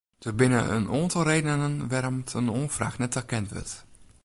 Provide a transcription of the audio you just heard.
Der binne in oantal redenen wêrom't in oanfraach net takend wurdt.